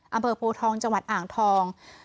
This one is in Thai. อำเภอโพทองจังหวัดอ่างทอง